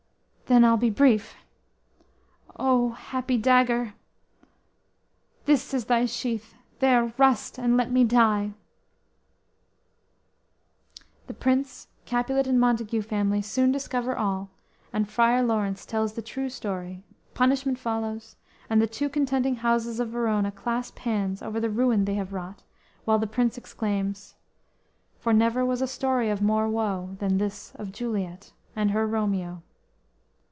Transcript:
Then I'll he brief. O happy dagger!_ (Snatches Romeo's dagger.) This is thy sheath, there rust and let me die!" (Stabs herself through the heart.) The Prince, Capulet and Montague family soon discover all, and Friar Laurence tells the true story, punishment follows, and the two contending houses of Verona clasp hands over the ruin they have wrought, while the Prince exclaims: _"For, never was a story of more woe, Than this of Juliet and her Romeo!"